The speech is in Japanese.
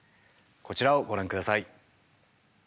こちらをご覧ください。